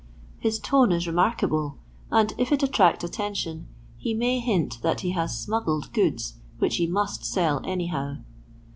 His tone is re* markable, and if it attract attention, he may hint that he has smuggled goods which he mvit sell anyhow.